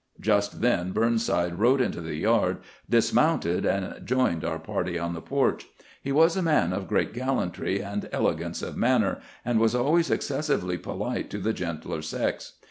Just then Burnside rode into the yard, dismounted, and joined our party on the porch. He was a man of great gallantry and elegance of manner, and was always excessively polite to the gentler sex.